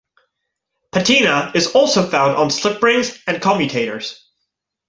Patina is also found on slip rings and commutators.